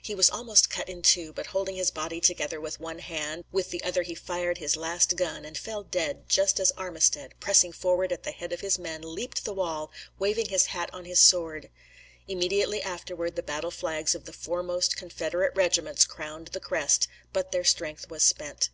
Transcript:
He was almost cut in two, but holding his body together with one hand, with the other he fired his last gun, and fell dead, just as Armistead, pressing forward at the head of his men, leaped the wall, waving his hat on his sword. Immediately afterward the battle flags of the foremost Confederate regiments crowned the crest; but their strength was spent.